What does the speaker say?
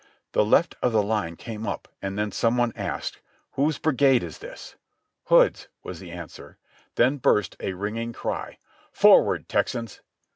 The left of the line came up and then some one asked : "Whose brigade is this?" THE SECOND MANASSAS 25 1 "Hood's," was the answer. Then burst a ringing cry, "Forward, Texans!"